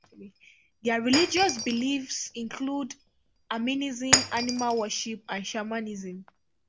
Their religious beliefs include animism, animal worship, and shamanism.